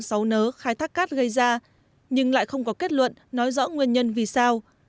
xóa nớ khai thác cát gây ra nhưng lại không có kết luận nói rõ nguyên nhân vì sao